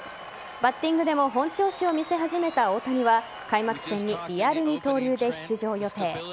バッティングでも本調子を見せ始めた大谷は開幕戦にリアル二刀流で出場予定。